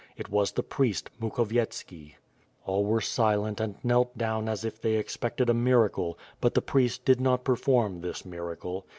It was the priest, Mukhovyetski. All were silent and knelt down as if they expected a mir acle but the priest did not perform this miracle.